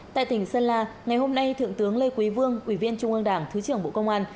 tại tỉnh sơn la ngày hôm nay thượng tướng lê quý vương ủy viên trung ương đảng thứ trưởng bộ công an